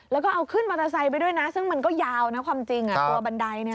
แล้วก็เอาขึ้นมอเตอร์ไซค์ไปด้วยนะซึ่งมันก็ยาวนะความจริงอ่ะตัวบันไดเนี่ย